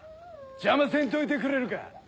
邪魔せんといてくれるか。